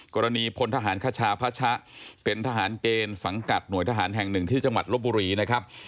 พลทหารคชาพระชะเป็นทหารเกณฑ์สังกัดหน่วยทหารแห่งหนึ่งที่จังหวัดลบบุรีนะครับ